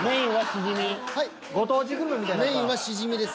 メインはシジミです。